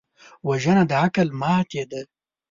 وژنه د عقل ماتې ده